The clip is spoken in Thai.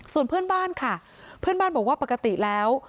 ส่วนเพื่อนบ้านค่ะเพื่อนบ้านบอกว่าปกติแล้ว